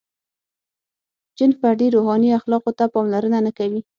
• جن فردي روحاني اخلاقو ته پاملرنه نهکوي.